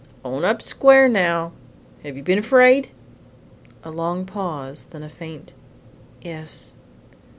Own up square now, hev you be'n afraid?" A long pause, then a faint, "Yes."